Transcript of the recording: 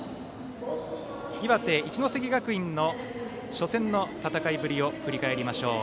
岩手・一関学院の初戦の戦いぶり振り返りましょう。